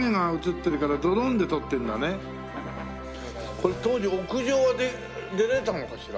これ当時屋上は出られたのかしら？